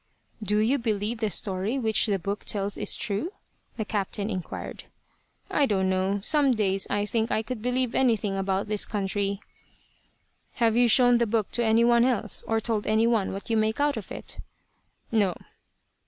"Do you believe the story which the book tells is true?" the captain inquired. "I don't know. Some days I think I could believe anything about this country." "Have you shown the book to any one else, or told any one what you make out of it?" "No."